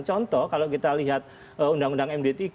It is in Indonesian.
contoh kalau kita lihat undang undang md tiga